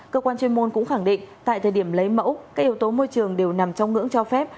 cơ quan chuyên môn cũng khẳng định tại thời điểm lấy mẫu các yếu tố môi trường đều nằm trong ngưỡng cho phép